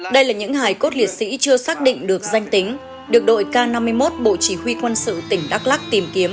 đây là những hải cốt liệt sĩ chưa xác định được danh tính được đội k năm mươi một bộ chỉ huy quân sự tỉnh đắk lắc tìm kiếm